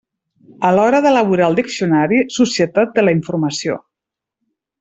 A l'hora d'elaborar el diccionari Societat de la informació.